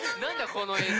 この映像。